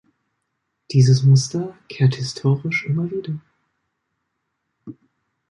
Dieses Muster kehrt historisch immer wieder.